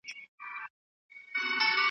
د همدې خرقې په زور پهلوانان وه .